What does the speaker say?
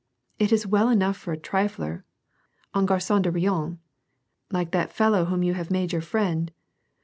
"It is well enough for a trifler, un gar^an de rien, like that fellow whom you have made your friend.